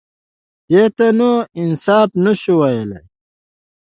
_دې ته نو انصاف نه شو ويلای.